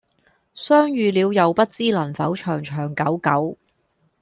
相遇了又不知能否長長久久